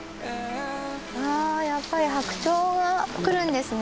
やっぱり白鳥が来るんですね。